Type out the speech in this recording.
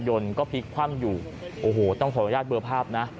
ก็พลิกคว่ำอยู่โอ้โหต้องขออนุญาตเบอร์ภาพนะ